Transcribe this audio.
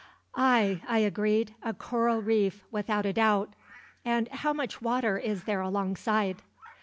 "Ay," I agreed; "a coral reef, without a doubt. And how much water is there alongside?"